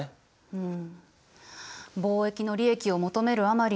うん。